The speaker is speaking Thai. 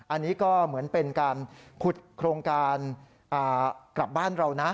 อันนี้ก็เหมือนเป็นการขุดโครงการกลับบ้านเรานะ